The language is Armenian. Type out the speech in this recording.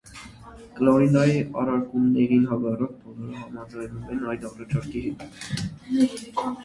Կլորինդայի առարկումներին հակառակ՝ բոլորը համաձայնվում են այդ առաջարկի հետ։